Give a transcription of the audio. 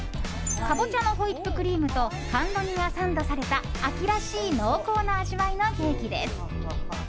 カボチャのホイップクリームと甘露煮がサンドされた秋らしい濃厚な味わいのケーキです。